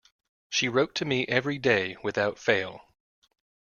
She wrote to me every day, without fail.